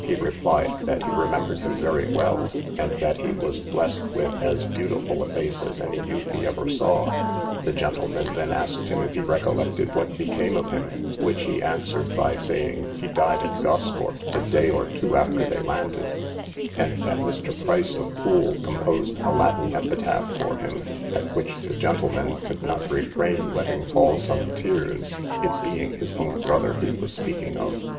He replied, that he remembered him very well, and that he was blest with as beautiful a face as any youth he ever saw. The gentleman then asked him if he recollected what became of him; which he answered, by saying he died at Gosport a day or two after they landed; and that Mr. Price, of Pool, composed a Latin epitaph for him; at which the gentleman could not refrain letting fall some tears, it being his own brother he was speaking of.